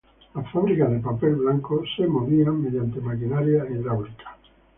Las fábricas de papel blanco eran movidas mediante maquinaria hidráulica.